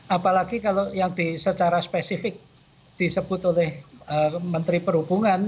apalagi kalau yang secara spesifik disebut oleh menteri perhubungan